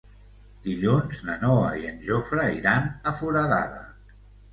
Dilluns na Noa i en Jofre iran a Foradada.